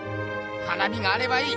花火があればいい！